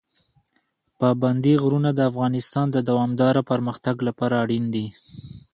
پابندي غرونه د افغانستان د دوامداره پرمختګ لپاره اړین دي.